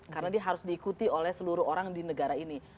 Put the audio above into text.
karena dia harus diikuti oleh seluruh orang di negara ini